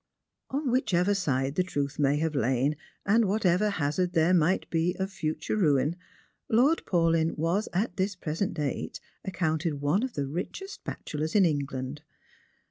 On whichever side the truth may have lain, and whatever hazard there might be of future ruin. Lord Paulyn was, at this resent date, accounted one of the richest bachelors in England, rlrs.